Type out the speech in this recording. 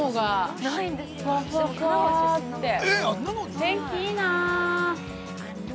天気いいな。